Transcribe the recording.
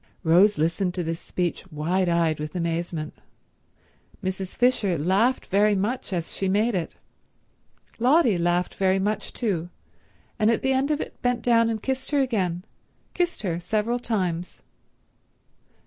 Rose listened to this speech wide eyed with amazement. Mrs. Fisher laughed very much as she made it. Lotty laughed very much too, and at the end of it bent down and kissed her again—kissed her several times.